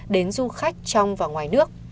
đến du khách trong và ngoài nước